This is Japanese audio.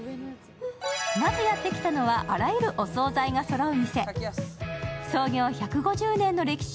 まずやってきたのはあらゆるお総菜がそろう店。